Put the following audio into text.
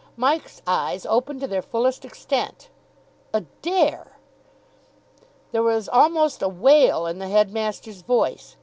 Mike's eyes opened to their fullest extent. "Adair!" There was almost a wail in the headmaster's voice.